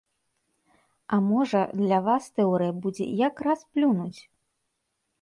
А можа, для вас тэорыя будзе як раз плюнуць?